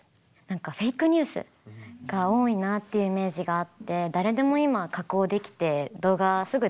何かフェイクニュースが多いなっていうイメージがあって誰でも今加工できて動画すぐ出せちゃうじゃないですか。